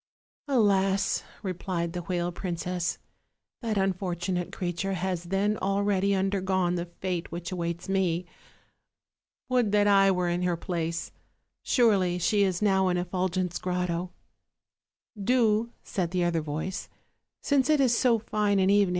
"Alas!" replied the whale princess, "that unfortunate creature has then already undergone the fate which awaits me. Would that I were in her place! surely she is now in Effulgent's grotto." "Do," said the other voice, "since it is so fine an even OLD, OLD FAIRY TALES.